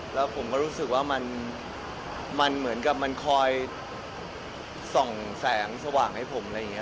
แล้วผมก็รู้สึกว่ามันเหมือนกับมันคอยส่องแสงสว่างให้ผมอะไรอย่างนี้